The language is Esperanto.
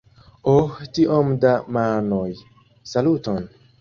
Oh tiom da manoj, saluton!